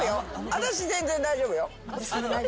私全然大丈夫。